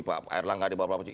pak airlangga di berapa provinsi